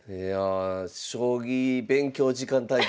将棋勉強時間対決。